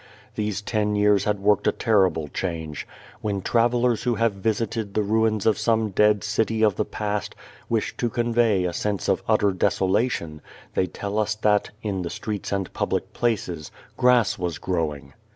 These ten years had worked a terrible change. When travellers who have visited the ruins of some dead city of the past, wish to convey a sense of utter desolation, they tell us that, in the streets and public places, grass was growing.